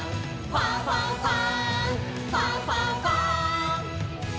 ファンファンファン！」